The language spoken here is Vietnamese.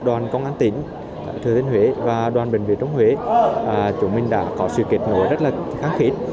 đoàn công an tỉnh thượng tên huế và đoàn bệnh viện trung ương huế chúng mình đã có sự kết nối rất là kháng khí